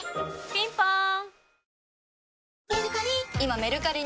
ピンポーン